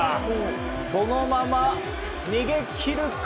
そのまま逃げ切るか？